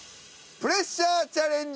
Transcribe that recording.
プレッシャーチャレンジ！